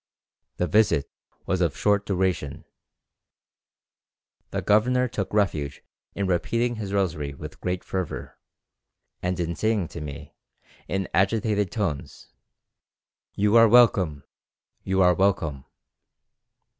The visit was of short duration; the governor took refuge in repeating his rosary with great fervour, and in saying to me, in agitated tones, 'You are welcome! you are welcome!'